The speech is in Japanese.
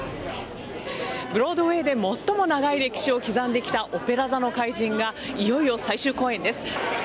ブロードウェーで最も長い歴史を刻んできた「オペラ座の怪人」がいよいよ最終公演です。